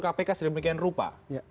kpk sedemikian rupa